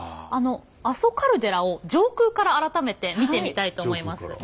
阿蘇カルデラを上空から改めて見てみたいと思います。